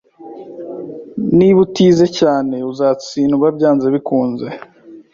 Niba utize cyane, uzatsindwa byanze bikunze.